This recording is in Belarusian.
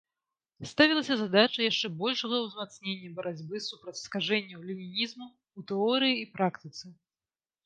Ставілася задача яшчэ большага ўзмацнення барацьбы супраць скажэнняў ленінізму ў тэорыі і практыцы.